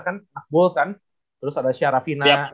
kan akbul kan terus ada syarafina